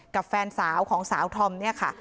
กับแฟนสาวของสาวธอมเนี่ยค่ะ